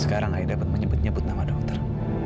sekarang aida dapat menyebutnya butnama dokter